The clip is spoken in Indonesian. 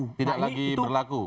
tidak lagi berlaku